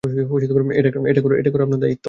এটা করা আপনার দায়িত্ব।